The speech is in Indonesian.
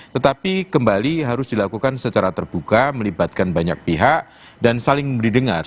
tetapi kembali harus dilakukan secara terbuka melibatkan banyak pihak dan saling memberi dengar